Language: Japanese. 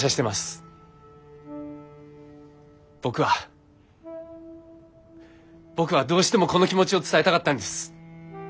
僕は僕はどうしてもこの気持ちを伝えたかったんです。